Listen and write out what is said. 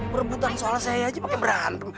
perebutan soal saya aja pakai berantem